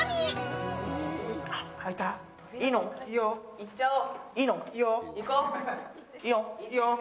いっちゃおう。